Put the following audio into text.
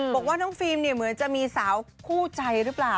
บอกว่าน้องฟิล์มเนี่ยเหมือนจะมีสาวคู่ใจหรือเปล่า